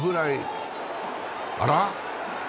あら？